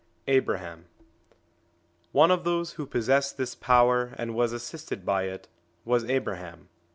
IV ABRAHAM ONE ot those who possessed this power and was assisted by it was Abraham.